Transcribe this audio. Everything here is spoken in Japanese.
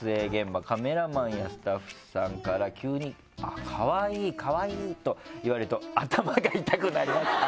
「カメラマンやスタッフさんから急に『可愛い可愛い』と言われると頭が痛くなります」。